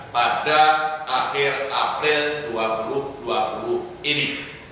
pada akhir april dua ribu dua puluh ini